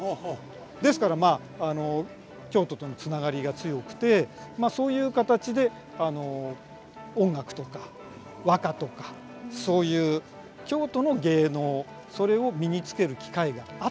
ですからまあ京都とのつながりが強くてそういう形で音楽とか和歌とかそういう京都の芸能それを身につける機会があったというふうに考えられます。